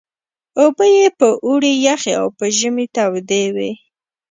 اوبه یې په اوړي یخې او په ژمي تودې وې.